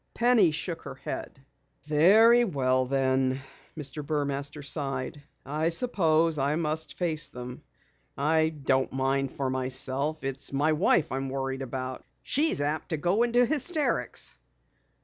Penny shook her head. "Very well then," Mr. Burmaster sighed. "I suppose I must face them. I don't mind for myself. It's my wife I'm worried about. She's apt to go into hysterics."